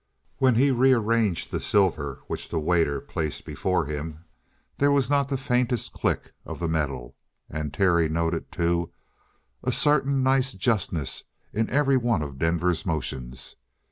When he rearranged the silver which the waiter placed before him, there was not the faintest click of the metal. And Terry noted, too, a certain nice justness in every one of Denver's motions.